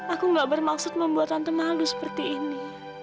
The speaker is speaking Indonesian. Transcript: aku nggak bermaksud membuat tante malu seperti ini